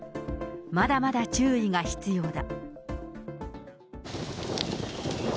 まだまだ注意が必要だ。